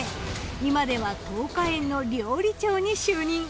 今では桃花苑の料理長に就任。